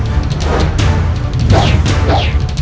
aku harus menolongnya